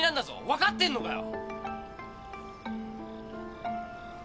分かってんのかよ！